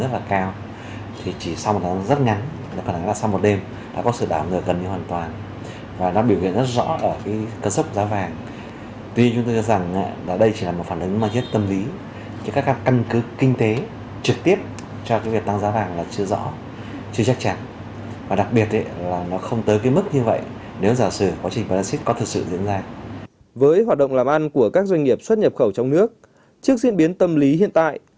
với hoạt động làm ăn của các doanh nghiệp xuất nhập khẩu trong nước trước diễn biến tâm lý hiện tại